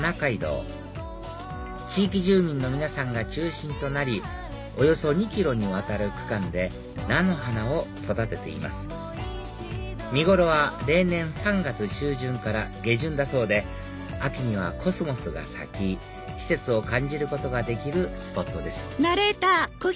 海道地域住民の皆さんが中心となりおよそ２ｋｍにわたる区間で菜の花を育てています見頃は例年３月中旬から下旬だそうで秋にはコスモスが咲き季節を感じることができるスポットです